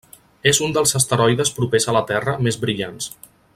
És un dels asteroides propers a la Terra més brillants.